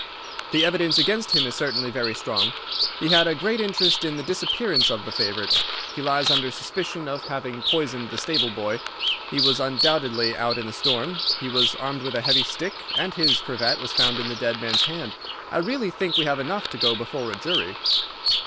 The evidence against him is certainly very strong. He had a great interest in the disappearance of the favourite. He lies under suspicion of having poisoned the stable boy, he was undoubtedly out in the storm, he was armed with a heavy stick, and his cravat was found in the dead man's hand. I really think we have enough to go before a jury."